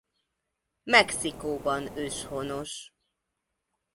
Mexikóban őshonos.